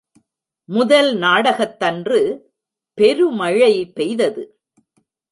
முதல் நாடகத்தன்று பெருமழை பெய்தது.